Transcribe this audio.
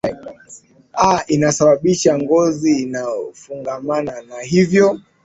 a inasababisha ngozi inafugana na hivo